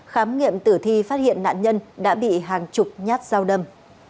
khám nghiệm tử thi phát hiện nạn nhân đã bị hàng chục nhát dao đâm